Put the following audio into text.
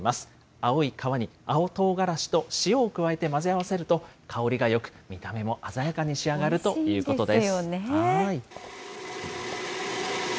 青い皮に、青とうがらしと塩を加えて混ぜ合わせると、香りがよく、見た目も鮮やかに仕上がるということです。